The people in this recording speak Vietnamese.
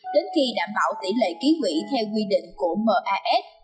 đến khi đảm bảo tỷ lệ ký quỷ theo quy định của maf